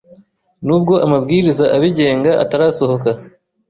Nubwo amabwiriza abigenga atarasohoka,